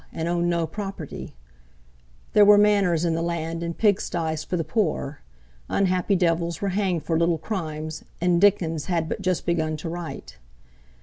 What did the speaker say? and owned no property; there were manners in the land, and pigsties for the poor; unhappy devils were hanged for little crimes, and Dickens had but just begun to write.